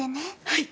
はい。